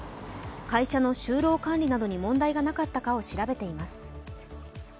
会社の就労管理などに問題がなかったかを調べています。